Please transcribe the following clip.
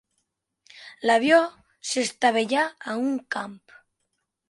L'avió s'estavellà a un camp.